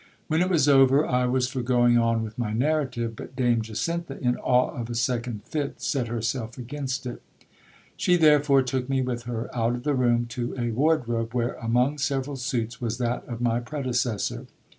When it was over, I was 42 GIL BLAS. for going on with my narrative ; but Dame Jacintha, in awe of a second fit, set herself against it. She therefore took me with her out of the room to a ward robe, where, among several suits, was that of my predecessor.